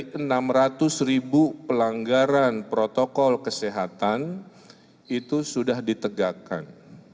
dari enam ratus ribu pelanggaran protokol kesehatan itu sudah ditegakkan